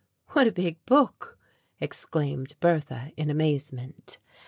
"What a big book," exclaimed Bertha in amazement.